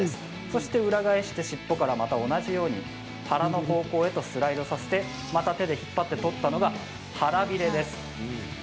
そして裏返して尻尾からまた同じように腹の方向へとスライドさせてまた手で引っ張って取ったのが腹びれです。